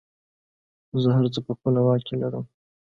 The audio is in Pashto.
زه هر څه په خپله واک کې لرم.